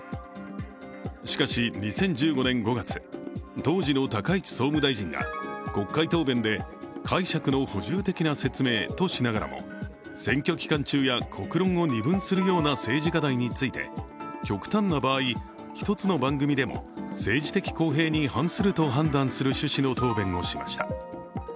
しかし２０１５年５月、当時の高市総務大臣が国会答弁で解釈の補充的な説明としながらも、選挙期間中や国論を二分するような政治課題について極端な場合、一つの番組でも政治的公平に反すると判断する趣旨の答弁をしました。